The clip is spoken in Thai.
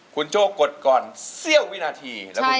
คุณโจ้กดก่อนเสี่ยวสำหรับวินาที